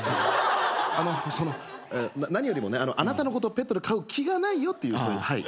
あのその何よりもねあなたのことをペットで飼う気がないよっていうそういうはい。